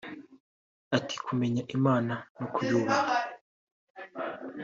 Ati”Kumenya Imana no kuyubaha